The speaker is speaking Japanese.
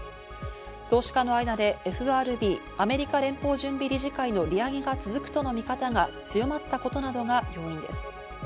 投資家の間でＦＲＢ＝アメリカ連邦準備理事会の利上げが続くとの見方が強まったことなどが要因です。